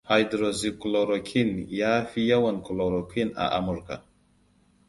Hydroxychloroquine ya fi yawan chloroquine a Amurka.